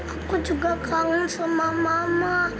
aku juga kangen sama mama